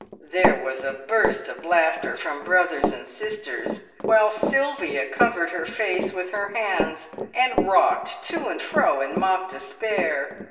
There was a burst of laughter from brothers and sisters, while Sylvia covered her face with her hands and rocked to and fro in mock despair.